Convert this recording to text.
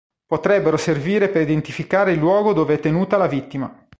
Potrebbero servire per identificare il luogo dove è tenuta la vittima.